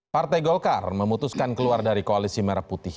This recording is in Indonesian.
partai golkar memutuskan keluar dari koalisi merah putih